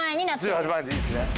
１８万円でいいですね。